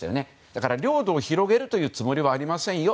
だから領土を広げるというつもりはありませんよ。